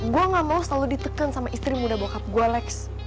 gue gak mau selalu ditekan sama istri muda boc cup gue lex